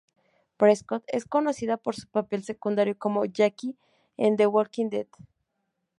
Prescott es conocida por su papel secundario como Jacqui en "The Walking Dead".